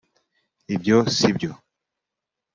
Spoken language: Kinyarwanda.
ibyo si byo